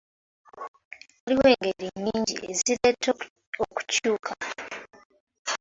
Waliyo engeri nnyingi ezireeta okukyuka.